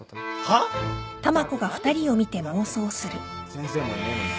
先生もいねえのに。